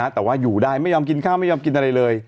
แต่ว่าอยู่ได้ไม่ยอมกินข้าวไม่ยอมกินอะไรเลย